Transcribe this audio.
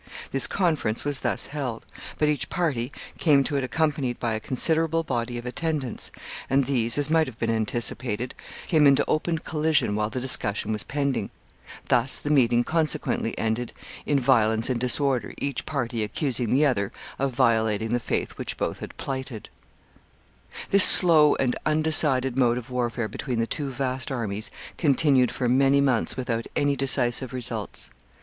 This conference was thus held, but each party came to it accompanied by a considerable body of attendants, and these, as might have been anticipated, came into open collision while the discussion was pending; thus the meeting consequently ended in violence and disorder, each party accusing the other of violating the faith which both had plighted. [Sidenote: Undecided warfare.] [Sidenote: Bread made of roots.] This slow and undecided mode of warfare between the two vast armies continued for many months without any decisive results.